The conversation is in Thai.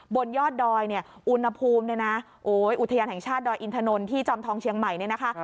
บนยอดดอยเนี่ยอุณหภูมิเนี่ยนะโอ้ยอุทยานแห่งชาติดอยอินถนนที่จอมทองเชียงใหม่เนี่ยนะคะ